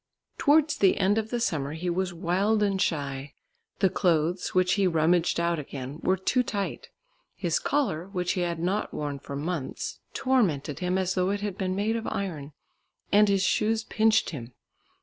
Towards the end of the summer he was wild and shy. The clothes, winch he rummaged out again, were too tight, his collar, which he had not worn for months, tormented him as though it had been of iron, and his shoes pinched him.